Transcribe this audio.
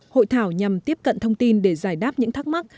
hội thảo nhằm tiếp cận thông tin để giải đáp những thắc mắc